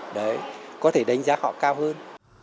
đấy có thể đánh giá họ cao hơn